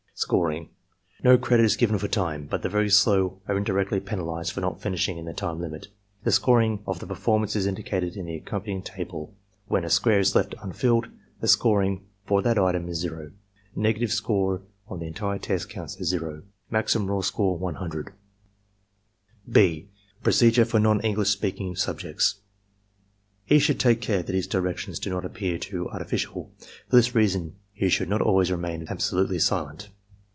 Scoring. — ^No credit is given for time, but the very slow are indirectly penalized by not finishing in the time limit. The scoring of the performance is indicated in the accompanying table. When a square is left unfilled, the score for that item is 0. Negative score on the entire test coimts as zero. Maximum raw score, 100. (b) PROCEDURE FOR NON ENGLISH SPEAKING SUBJECTS E. should take care that his directions do not appear too artificial. For this reason he should not always remain ab solutely silent.